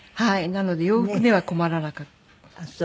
なので洋服には困らなかった。